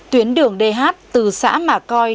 tuyến đường dh từ xã mà coi